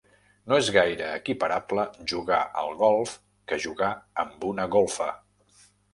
No és gaire equiparable jugar al golf que jugar amb una golfa.